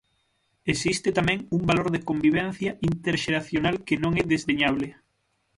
Existe tamén un valor de convivencia interxeracional que non é desdeñable.